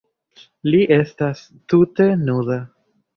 Li estas tute nuda.